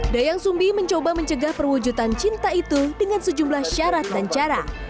dayang sumbi mencoba mencegah perwujudan cinta itu dengan sejumlah syarat dan cara